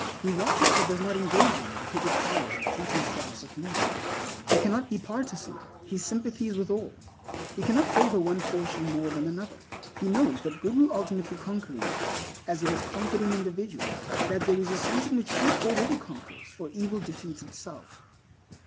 He watches, but does not engage in, the petty quarrels and fleeting strifes of men. He cannot be partisan. His sympathy is with all. He cannot favor one portion more than another. He knows that good will ultimately conquer in the world, as it has conquered in individuals; that there is a sense in which good already conquers, for evil defeats itself.